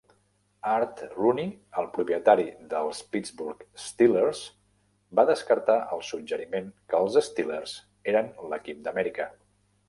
Art Rooney, el propietari dels Pittsburgh Steelers, va descartar el suggeriment que els Steelers eren l'equip d'Amèrica.